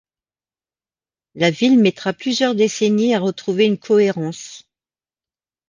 La ville mettra plusieurs décennies à retrouver une cohérence.